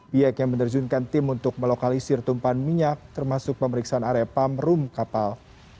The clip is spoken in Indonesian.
biaya yang menerjunkan tim untuk melokalisir tumpahan minyak termasuk pemeriksaan area pump room kapal